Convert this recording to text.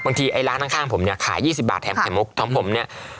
บางทีไอ้ร้านข้างผมเนี่ยขายยี่สิบบาทแถมไข่มุกของผมเนี่ย